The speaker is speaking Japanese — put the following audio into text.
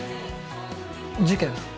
事件？